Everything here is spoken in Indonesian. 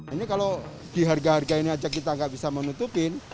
ini kalau di harga harga ini aja kita nggak bisa menutupin